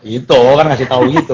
itu kan ngasih tahu gitu